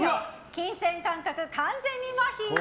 金銭感覚、完全にまひ！